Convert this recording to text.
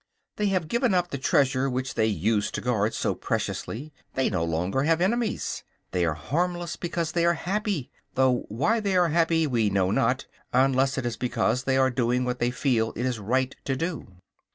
They have given up the treasure which they used to guard so preciously; they no longer have enemies. They are harmless because they are happy; though why they are happy we know not, unless it be because they are doing what they feel it is right to do.